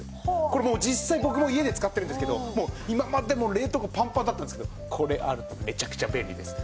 これ実際僕も家で使ってるんですけど今までもう冷凍庫パンパンだったんですけどこれあるとめちゃくちゃ便利です。